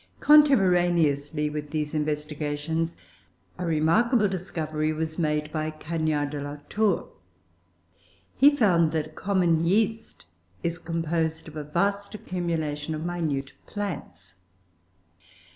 Contemporaneously with these investigations a remarkable discovery was made by Cagniard de la Tour. He found that common yeast is composed of a vast accumulation of minute plants.